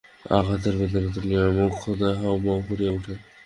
আঘাতের বেদনা তুলিয়া মোক্ষদা হাউমাউ করিয়া উঠে।